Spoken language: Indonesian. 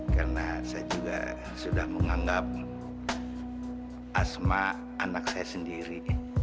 karena saya juga sudah menganggap asma anak saya sendiri